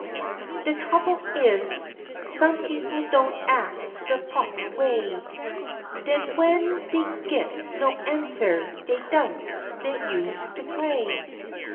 De trouble is, some people don't ax de proper way, Den w'en dey git's no answer dey doubts de use to pray.